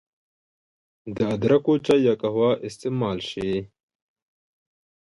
د ادرکو چای يا قهوه استعمال شي